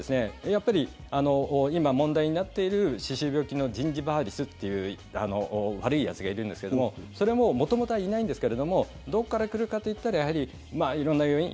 やっぱり今、問題になっている歯周病菌のジンジバーリスっていう悪いやつがいるんですけどもそれも元々はいないんですけどもどこから来るかといったらやはり色んな要因